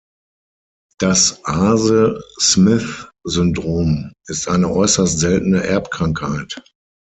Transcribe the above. Das Aase-Smith-Syndrom ist eine äußerst seltene Erbkrankheit.